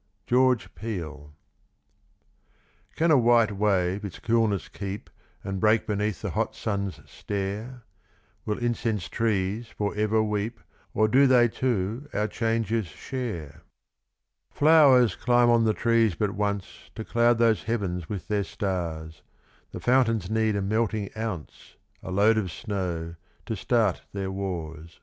•— George Peele. Can a white wave its coolness keep And break beneath the hot sun's stare; Will incense trees for ever weep, Or do they, too, our changes share i Flowers climb on the trees but once To cloud those Heavens with their stars; The fountains need a melting ounce, A load of snow, to start their wars.